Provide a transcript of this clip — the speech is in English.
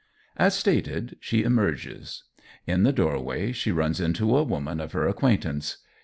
As stated, she emerges. In the doorway she runs into a woman of her acquaintance.